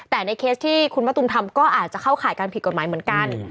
แต่ในเคสที่คุณมะตูมทำก็อาจจะเข้าข่ายการผิดกฎหมายเหมือนกัน